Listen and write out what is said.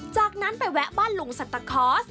จากนั้นไปแวะบ้านลุงสัตคอร์ส